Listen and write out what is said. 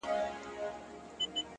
پوهه د فکر ژوروالی زیاتوي.